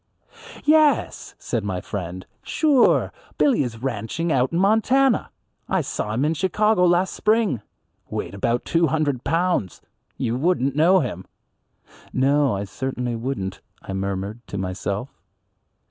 "Yes," said my friend, "sure Billy is ranching out in Montana. I saw him in Chicago last spring, weighed about two hundred pounds, you wouldn't know him." "No, I certainly wouldn't," I murmured to myself.